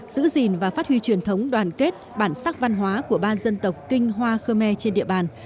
giữ gìn và phát huy truyền thống đoàn kết bản sắc văn hóa của ba dân tộc kinh hoa khơ me trên địa bàn